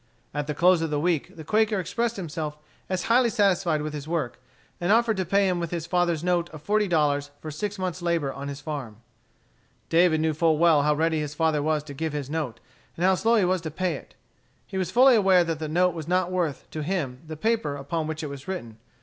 At the close of the week the Quaker expressed himself as highly satisfied with his work, and offered to pay him with his father's note of forty dollars for six months' labor on his farm. David knew full well how ready his father was to give his note, and how slow he was to pay it. He was fully aware that the note was not worth, to him, the paper upon which it was written.